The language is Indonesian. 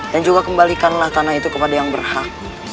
dan juga kembalikanlah tanah itu kepada yang berhak